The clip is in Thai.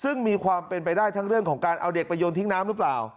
ซึ่งมีความเป็นไปได้ทั้งเรื่องของการเอาเด็กไปโยนทิ้งน้ำหรือเปล่า